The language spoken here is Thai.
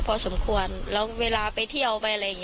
เพราะไม่เคยถามลูกสาวนะว่าไปทำธุรกิจแบบไหนอะไรยังไง